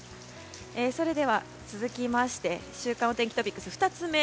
それでは続いて週間お天気トピックス２つ目。